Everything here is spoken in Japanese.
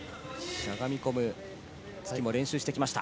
しゃがみ込む突きも練習して来ました。